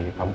itu kan ya